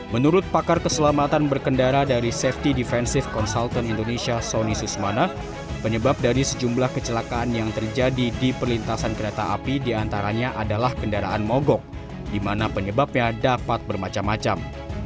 menurut pakar keselamatan berkendara dari safety defensive consultant indonesia sony susmana penyebab dari sejumlah kecelakaan yang terjadi di perlintasan kereta api diantaranya adalah kendaraan mogok di mana penyebabnya dapat bermacam macam